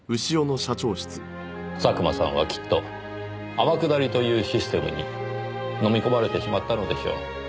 佐久間さんはきっと天下りというシステムに飲み込まれてしまったのでしょう。